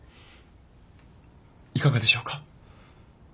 いかがでしょうか？